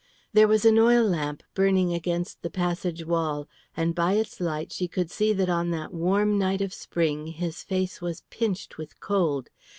There was an oil lamp burning against the passage wall, and by its light she could see that on that warm night of spring his face was pinched with cold.